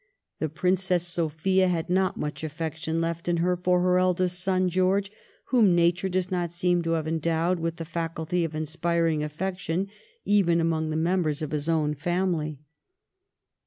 The Princess Sophia had not much affection left in her for her eldest son, George, whom nature does not seem to have endowed with the faculty of inspiring affection even among the members of his own family.